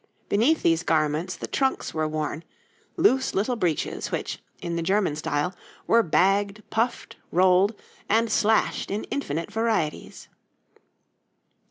Beneath these garments the trunks were worn loose little breeches, which, in the German style, were bagged, puffed, rolled, and slashed in infinite varieties.